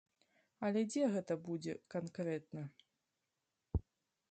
Але дзе гэта будзе канкрэтна?